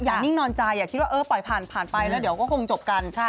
อยากนิ่งนอนใจอยากคิดว่าปล่อยผ่านไปแล้วเดี๋ยวก็คงจบกัน